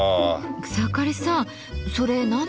草刈さんそれ何ですか？